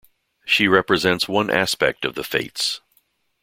She represents one aspect of the Fates.